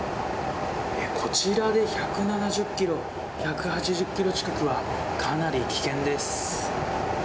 こちらで１７０キロ１８０キロ近くはかなり危険です。